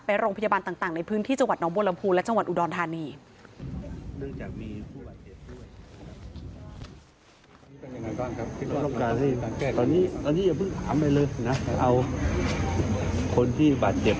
ไปโรงพยาบาลต่างในพื้นที่จังหวัดน้องบัวลำพูและจังหวัดอุดรธานี